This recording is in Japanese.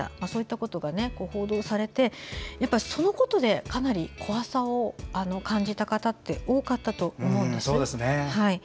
そういったことが報道されてそのことでかなり怖さを感じた方って多かったと思うんですね。